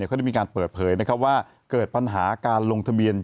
เขาได้มีการเปิดเผยว่าเกิดปัญหาการลงทะเบียน